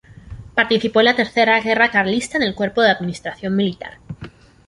Participó en la Tercera Guerra Carlista en el cuerpo de Administración militar.